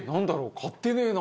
買ってねえな。